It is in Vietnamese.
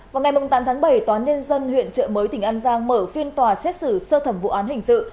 vào ngày tám tháng bảy toán liên dân huyện chợ mới tỉnh an giang mở phiên tòa xét xử sơ thẩm vụ án hình sự